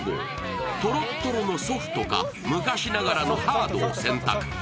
トロトロのソフトか昔ながらのハードを選択。